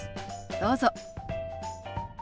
どうぞ。